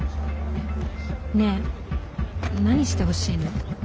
ねえ何してほしいの？